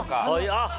あっ！